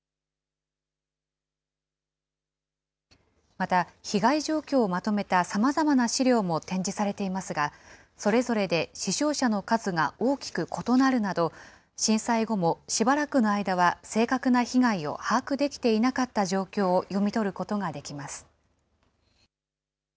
また、被害状況をまとめたさまざまな資料も展示されていますが、それぞれで死傷者の数が大きく異なるなど、震災後もしばらくの間は、正確な被害を把握できていなかった状況を読み取ることができます。